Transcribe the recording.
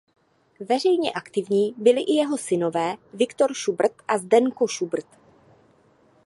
Veřejně aktivní byli i jeho synové Victor Schubert a Zdenko Schubert.